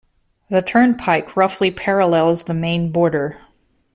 The Turnpike roughly parallels the Maine border.